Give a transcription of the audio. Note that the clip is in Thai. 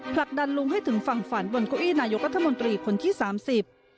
หลักดันลุงให้ถึงฝั่งฝั่นบนคุยินายกรัฐมนตรีคนที่๓๐